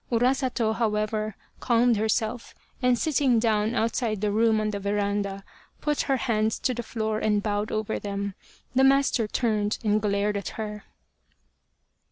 Urasato, however, calmed herself, and sitting down outside the room on the veranda, put her hands to the floor and bowed over them. The master turned and glared at her.